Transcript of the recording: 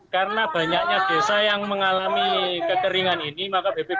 karena banyaknya desa yang mengalami kekeringan ini maka bpbd